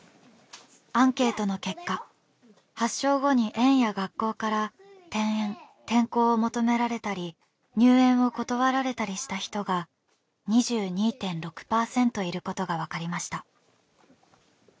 アンケートの結果発症後に園や学校から転園・転校を求められたり入園を断られたりした人が２２．６パーセントいることがわかりました。